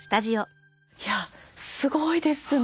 いやすごいですね。